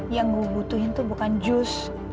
yang gue butuhin tuh bukan jus